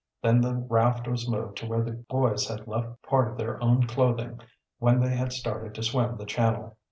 Then the raft was moved to where the boys had left part of their own clothing when they had started to swim the channel.